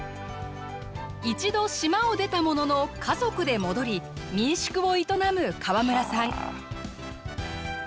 一度島を出たものの家族で戻り民宿を営む河村さん。